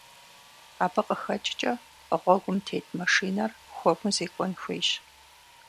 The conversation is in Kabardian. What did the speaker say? Абы къыхэкӀкӀэ, гъуэгум тет машинэр хуэму зекӀуэн хуейщ.